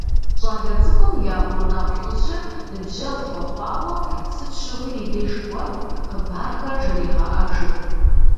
ЩӀалэ цӀыкӀум я гъунэгъу лӀыжьыр ныбжьэгъу хуэхъуауэ, сыт щыгъуи и деж кӀуэрт, хъыбархэр жригъэӀэжырт.